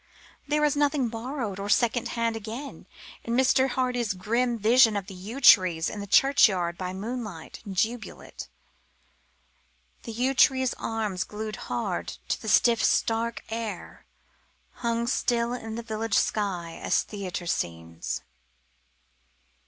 There is nothing borrowed or secondhand, again, in Mr. Hardy's grim vision of the yew trees in the churchyard by moonlight in Jubilate: The yew tree arms, glued hard to the stiff, stark air, Hung still in the village sky as theatre scenes.